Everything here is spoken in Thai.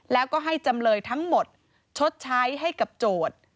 แล้วก็ให้จำเลยทั้งหมดชดใช้ให้กับโจทย์